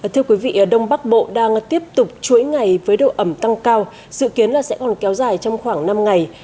thưa quý vị đông bắc bộ đang tiếp tục chuỗi ngày với độ ẩm tăng cao dự kiến là sẽ còn kéo dài trong khoảng năm ngày